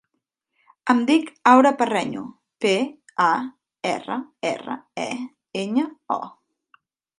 Em dic Aura Parreño: pe, a, erra, erra, e, enya, o.